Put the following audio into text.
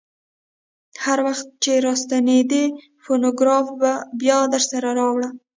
هر وخت چې راستنېدې فونوګراف بیا درسره راوړه.